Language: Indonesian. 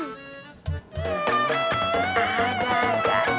aku tahu maksud dirimu